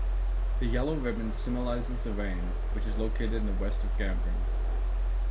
The yellow ribbon symolises the Rhein, which is located in the west of Gamprin.